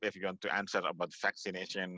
jika anda ingin menjawab tentang vaksinasi